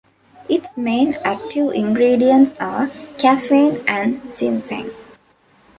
Its main active ingredients are caffeine and ginseng.